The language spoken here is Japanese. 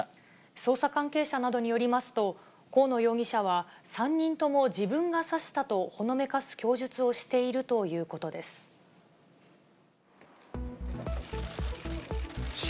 捜査関係者などによりますと、河野容疑者は、３人とも自分が刺したとほのめかす供述をしているということです。